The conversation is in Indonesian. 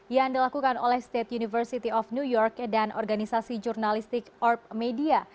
yang dilakukan oleh state university of new york dan organisasi jurnalistik orb media